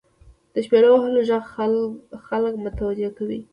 • د شپیلو وهلو ږغ خلک متوجه کوي.